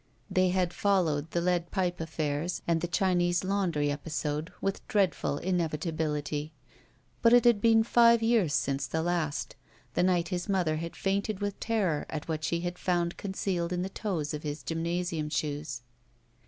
They had followed the lead pipe affairs and the Chinese laundiy episode with dreadful inevitability. But it had been five years since the last — ^the night his mother had fainted with terror at what she had found concealed in the toes of his gymnasium shoes.